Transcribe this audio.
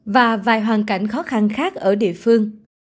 và vài hoàn cảnh khó khăn khác ở địa phương